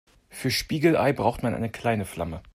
Für Spiegelei braucht man eine kleine Flamme.